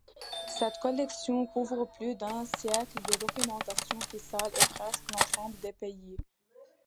Cette collection couvre plus d'un siècle de documentation fiscale et presque l'ensemble des pays.